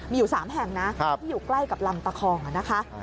มีอยู่๓แห่งนะที่อยู่ใกล้กับลำตะคองนะคะ